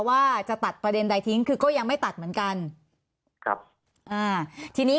ว่าจะตัดประเด็นใดทิ้งคือก็ยังไม่ตัดเหมือนกันครับอ่าทีนี้